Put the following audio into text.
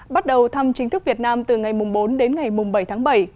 bắt đầu thăm chính thức việt nam từ ngày bốn đến ngày bảy tháng bảy